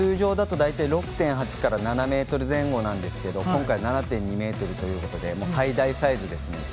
通常だと、大体６．８から７ｍ前後ですが今回は７．２ｍということで最大サイズですね。